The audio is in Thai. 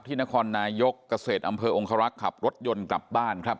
นครนายกเกษตรอำเภอองคารักษ์ขับรถยนต์กลับบ้านครับ